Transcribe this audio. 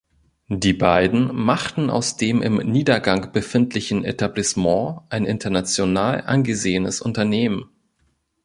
Die beiden machten aus dem im Niedergang befindlichen Etablissement ein international angesehenes Unternehmen.